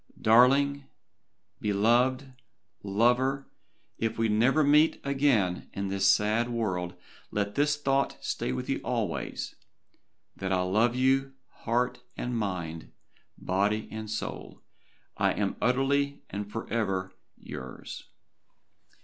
Darling beloved lover if we never meet again in this sad world let this thought stay with you always, that I love you heart and mind body and soul I am utterly and forever YOURS."